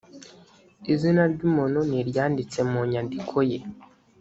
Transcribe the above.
izina ry ‘umuntu ni iryanditse mu nyandiko ye